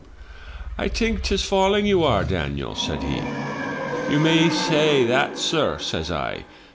'" 'I think 'tis falling you are, Daniel,' says he. " 'You may say that, sir,' says I.